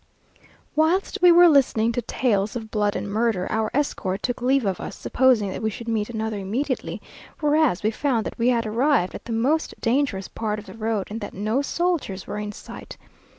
Whilst we were listening to tales of blood and murder, our escort took leave of us, supposing that we should meet another immediately, whereas we found that we had arrived at the most dangerous part of the road, and that no soldiers were in sight.